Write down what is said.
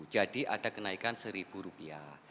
jadi ada kenaikan seribu rupiah